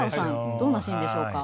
どんなシーンでしょうか？